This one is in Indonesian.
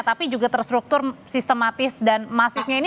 tapi juga terstruktur sistematis dan masifnya ini